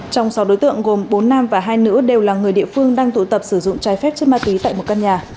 trong sáu đối tượng gồm bốn nam và hai nữ đều là người địa phương đang tụ tập sử dụng trái phép chất ma túy tại một căn nhà